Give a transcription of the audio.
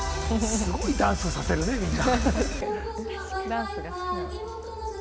すごいダンスさせるね、みんな。